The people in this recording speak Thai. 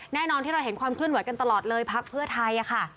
แน่นอนที่เราเห็นความเคลื่อนไหวกันตลอดเลยพักเพื่อไทยค่ะ